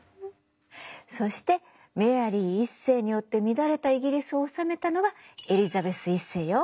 そしてメアリー１世によって乱れたイギリスを治めたのがエリザベス１世よ。